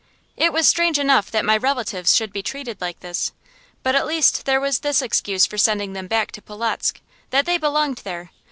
It was strange enough that my relatives should be treated like this, but at least there was this excuse for sending them back to Polotzk, that they belonged there.